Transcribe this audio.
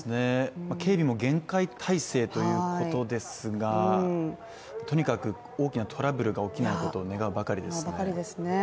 警備も厳戒態勢ということですが、とにかく大きなトラブルが起きないことを願うばかりですね。